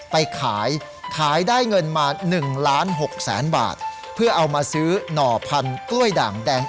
ไปขายขายได้เงินมา๑ล้านหกแสนบาทเพื่อเอามาซื้อหน่อพันธุ์กล้วยด่างแดง